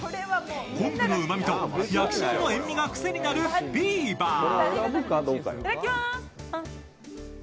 昆布のうまみと焼き塩の塩味がくせになるビーバー。